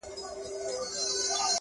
• شیرني نه ده دا زهر دي پلارجانه,